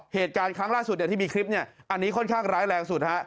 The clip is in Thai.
เหตุการณ์ครั้งล่าสุดที่มีคลิปเนี่ยอันนี้ค่อนข้างร้ายแรงสุดฮะ